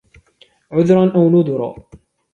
عذرا أو نذرا